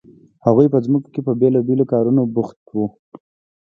هغوی په ځمکو کې په بیلابیلو کارونو بوخت وو.